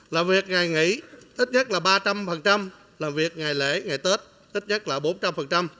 làm việc ngày nghỉ ít nhất là ba trăm linh làm việc ngày lễ ngày tết ít nhất là bốn trăm linh